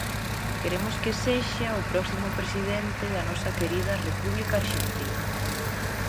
Queremos que sexa o próximo presidente da nosa querida República Arxentina.